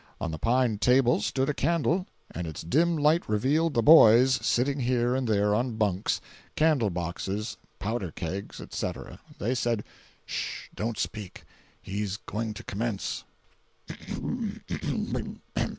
On the pine table stood a candle, and its dim light revealed "the boys" sitting here and there on bunks, candle boxes, powder kegs, etc. They said: "Sh—! Don't speak—he's going to commence."